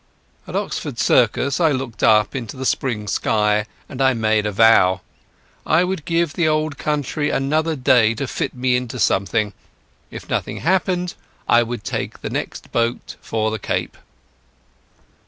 At Oxford Circus I looked up into the spring sky and I made a vow. I would give the Old Country another day to fit me into something; if nothing happened, I would take the next boat for the Cape.